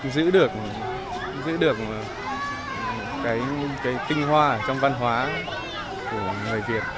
giữ được giữ được cái tinh hoa trong văn hóa của người việt